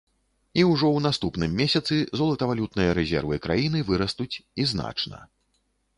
І ўжо ў наступным месяцы золатавалютныя рэзервы краіны вырастуць і значна.